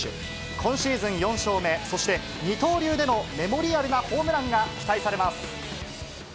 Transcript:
今シーズン４勝目、そして二刀流でのメモリアルなホームランが期待されます。